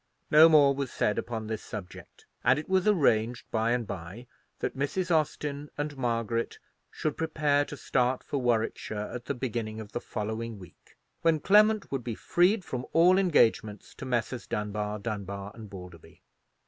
No more was said upon this subject, and it was arranged by and by that Mrs. Austin and Margaret should prepare to start for Warwickshire at the beginning of the following week, when Clement would be freed from all engagements to Messrs. Dunbar, Dunbar, and Balderby.